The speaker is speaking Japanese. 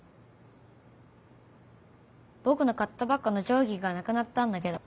ぼくの買ったばっかのじょうぎがなくなったんだけど。